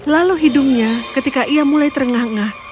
lalu hidungnya ketika ia mulai terengah engah